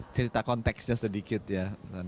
cerita konteksnya sedikit ya